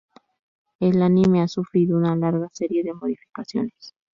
El anime ha sufrido una larga serie de modificaciones.